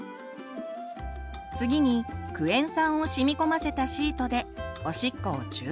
次にクエン酸を染み込ませたシートでおしっこを中和させます。